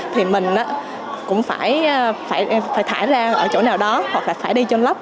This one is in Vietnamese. thì mình cũng phải thải ra ở chỗ nào đó hoặc là phải đi trôn lấp